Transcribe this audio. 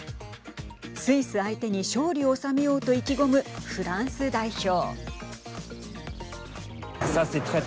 スイス相手に勝利を収めようと意気込むフランス代表。